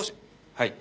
はい。